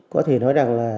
có thể nói rằng